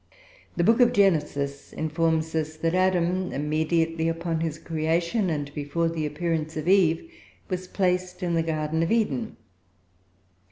The Book of Genesis informs us that Adam, immediately upon his creation, and before the appearance of Eve, was placed in the Garden of Eden.